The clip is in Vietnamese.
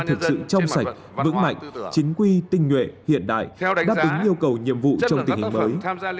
thật sự trong sạch vững mạnh chính quy tinh nguyện hiện đại đáp ứng yêu cầu nhiệm vụ trong tình hình mới